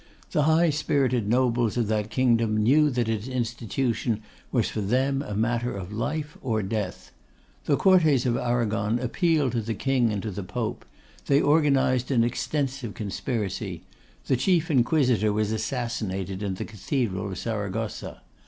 The high spirited nobles of that kingdom knew that its institution was for them a matter of life or death. The Cortes of Arragon appealed to the King and to the Pope; they organised an extensive conspiracy; the chief Inquisitor was assassinated in the cathedral of Saragossa.